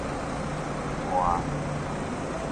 豸